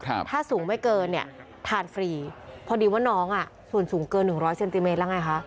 ถ้าสูงไม่เกินทานฟรีพอดีว่าน้องส่วนสูงเกิน๑๐๐เซนติเมตรแล้วไงคะ